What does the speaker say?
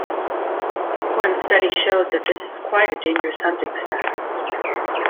One study showed that this is a quite dangerous hunting style.